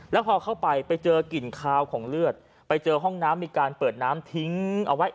แล้วพอเข้าไปไปเจอกลิ่นคาวของเลือดไปเจอห้องน้ำมีการเปิดน้ำทิ้งเอาไว้